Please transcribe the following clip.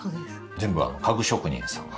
全部家具職人さんが。